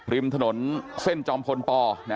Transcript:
ริมถนนเส้นจอมพลป